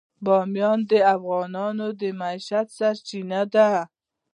بامیان د افغانانو د معیشت سرچینه ده.